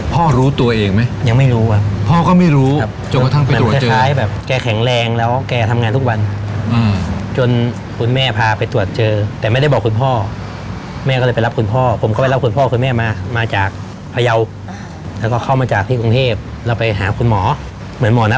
๓ปี๔แล้วอยู่ได้ไม่เกิน๓เดือน